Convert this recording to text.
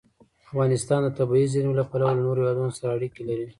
افغانستان د طبیعي زیرمې له پلوه له نورو هېوادونو سره اړیکې لري.